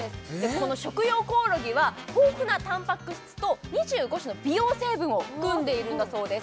この食用コオロギは豊富なタンパク質と２５種の美容成分を含んでいるんだそうです